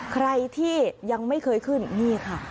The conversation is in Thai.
ใครที่ยังไม่เคยขึ้นนี่ค่ะ